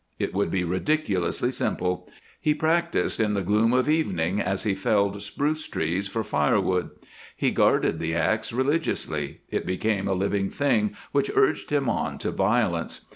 It would be ridiculously simple. He practised in the gloom of evening as he felled spruce trees for fire wood; he guarded the ax religiously; it became a living thing which urged him on to violence.